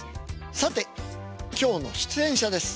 さて今日の出演者です。